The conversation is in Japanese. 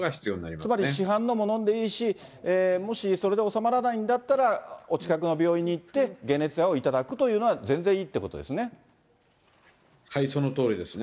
つまり市販のも飲んでいいし、もしそれで収まらないんだったら、お近くの病院に行って、解熱剤を頂くというのは全然いいってことそのとおりですね。